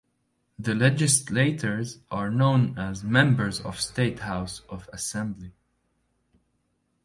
The Legislators are known as Members of State House of Assembly.